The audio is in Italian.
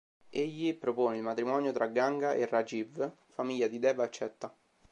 Egli propone il matrimonio tra Ganga e Rajiv; Famiglia di dev accetta.